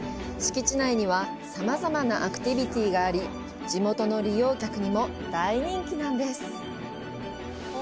敷地内にはさまざまなアクティビティがあり、地元の利用客にも大人気なんです。